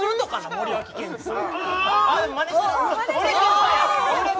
森脇健児さん